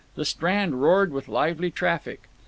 The Strand roared with lively traffic.